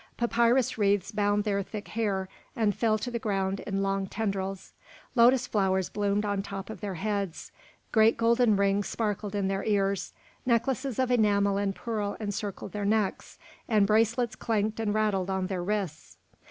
Papyrus wreaths bound their thick hair and fell to the ground in long tendrils; lotus flowers bloomed on top of their heads; great golden rings sparkled in their ears, necklaces of enamel and pearl encircled their necks, and bracelets clanked and rattled on their wrists.